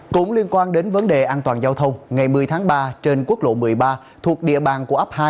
cũng liên quan đến vấn đề an toàn giao thông ngày một mươi tháng ba trên quốc lộ một mươi ba thuộc địa bàn của ấp hai